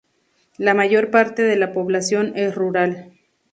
La mayor parte de la población es rural.